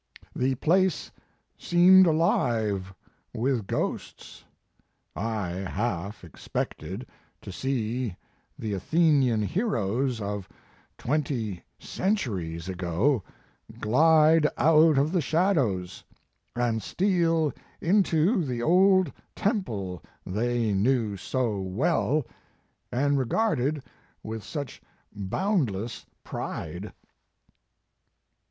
The place seemed alive with ghosts. I half expected to see the Athenian heroes of twenty centuries ago glide out of the shadows, and steal into the old temple they knew so well and regarded with such boundless pride."